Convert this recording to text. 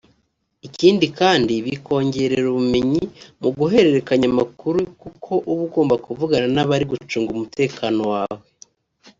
Ikindi kandi bikongerera ubumenyi mu guhererekanya amakuru kuko uba ugomba kuvugana n’abari gucunga umutekano wawe